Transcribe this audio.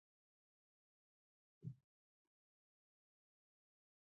د نجونو تعلیم د کلتوري میراثونو ساتنه کوي.